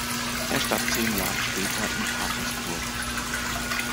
Er starb zehn Jahre später in Parkersburg.